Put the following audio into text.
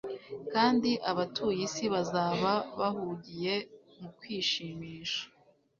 kandi abatuye isi bazaba bahugiye mu kwishimisha